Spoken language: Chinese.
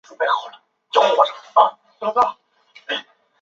章氏的门人亦尊蒋氏为师祖。